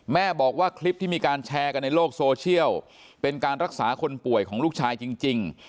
แม่บอกว่าคลิปที่มีการแชร์กันในโลกโซเชียลเป็นการรักษาคนป่วยของลูกชายจริง